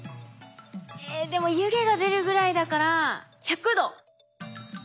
えでも湯気が出るぐらいだから１００℃。